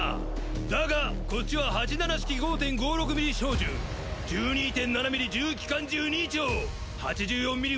だがこっちは８７式５．５６ミリ小銃１２．７ミリ重機関銃２丁８４ミリ